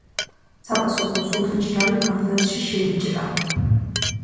საპასუხოდ სულთნის ჯარი ბაღდადში შეიჭრა.